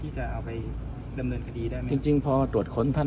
มองว่าเป็นการสกัดท่านหรือเปล่าครับเพราะว่าท่านก็อยู่ในตำแหน่งรองพอด้วยในช่วงนี้นะครับ